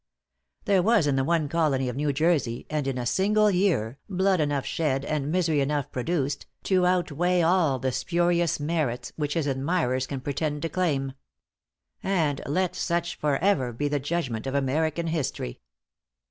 There was in the one Colony of New Jersey, and in a single year, blood enough shed, and misery enough produced, to outweigh all the spurious merits which his admirers can pretend to claim. And let such for ever be the judgment of American history.